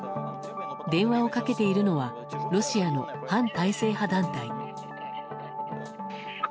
電話をかけているのはロシアの反体制派団体。